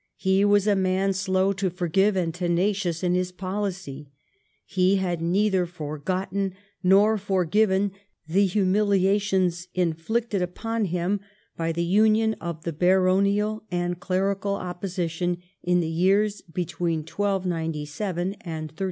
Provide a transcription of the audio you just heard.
He was a man slow to forgive and tenacious in his policy. He had neither forgotten nor forgiven the humiliations inflicted upon him by the union of the baronial and clerical opposition in the years between 1297 and 1301.